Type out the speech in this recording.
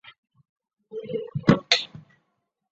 罗什勒佩鲁人口变化图示